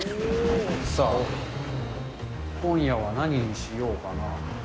さあ、今夜は何にしようかな。